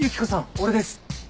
俺です。